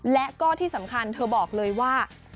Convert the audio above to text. และก็ที่สำคัญเธอบอกเลยว่า